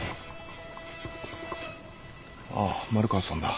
あっ丸川さんだ。